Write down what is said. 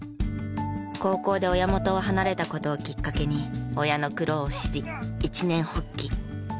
高校で親元を離れた事をきっかけに親の苦労を知り一念発起。